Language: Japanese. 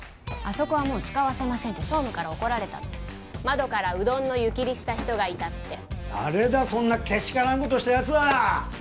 あそこはもう使わせませんって総務から怒られたの窓からうどんの湯切りした人がいたって誰だそんなけしからんことしたやつは？